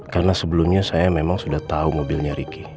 karena sebelumnya saya memang sudah tahu mobilnya ricky